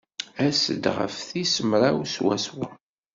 As-d ɣef tis mraw swaswa.